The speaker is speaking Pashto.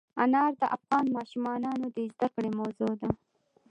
انار د افغان ماشومانو د زده کړې موضوع ده.